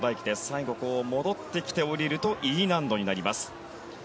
最後、戻ってきて下りるとＥ難度になります。